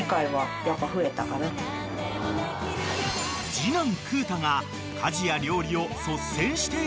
［次男空太が家事や料理を率先してやるように］